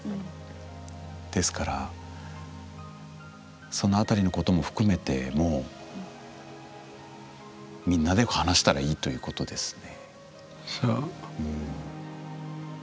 ですからその辺りのことも含めてもうみんなで話したらいいということですね。